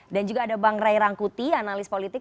dan juga ada bang ray rangkuti analis politik